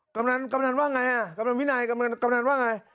กำลังว่าไงพี่นายกำลังว่าไง